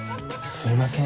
すいません